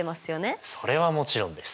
それはもちろんです。